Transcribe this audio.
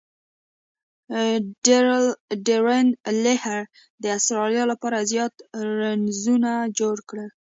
ډیرن لیهر د اسټرالیا له پاره زیات رنزونه جوړ کړل.